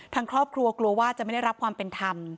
ทางครอบครัวกลัวว่าจะไม่ได้รับความเป็นธรรม